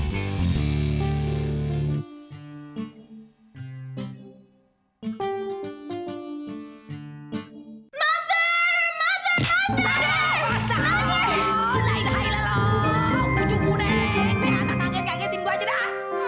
nih anak anaknya kagetin gua aja dah